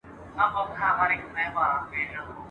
درزهار وو د توپکو د توپونو !.